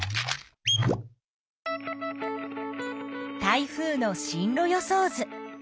台風の進路予想図。